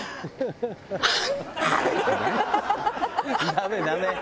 「ダメダメ！